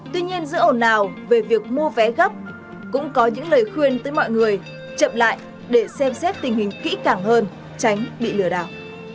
tuy nhiên giữa ổn nào về việc mua vé gấp cũng có những lời khuyên tới mọi người chậm lại để xem xét tình hình kỹ càng hơn tránh bị lừa đảo